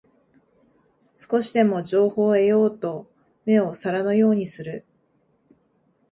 少しでも情報を得ようと目を皿のようにする